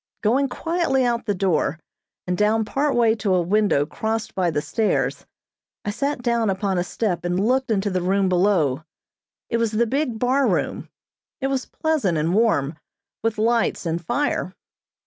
Going quietly out the door, and down part way to a window crossed by the stairs, I sat down upon a step and looked into the room below. It was the big bar room. It was pleasant and warm, with lights and fire.